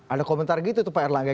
ada komentar gitu tuh pak erlangga